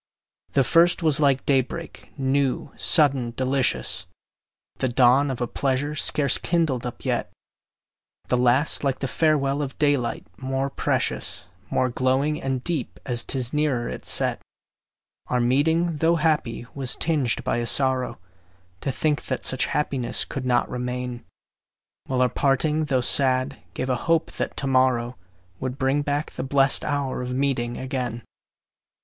The first was like day break, new, sudden, delicious, The dawn of a pleasure scarce kindled up yet; The last like the farewell of daylight, more precious, More glowing and deep, as 'tis nearer its set. Our meeting, tho' happy, was tinged by a sorrow To think that such happiness could not remain; While our parting, tho' sad, gave a hope that to morrow Would bring back the blest hour of meeting again.